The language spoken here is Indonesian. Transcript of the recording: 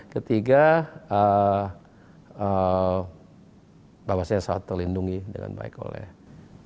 ketiga bahwasanya seolah terlindungi dengan baik oleh ibu